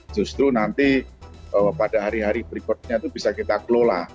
justru nanti pada hari hari berikutnya itu bisa kita kelola